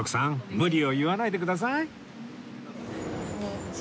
無理を言わないでください